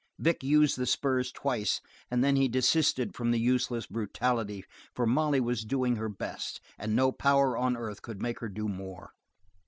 Vic used the spurs twice, and then he desisted from the useless brutality for Molly was doing her best and no power on earth could make her do more.